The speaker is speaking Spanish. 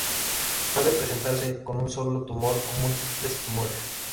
Puede presentarse con un solo tumor o múltiples tumores.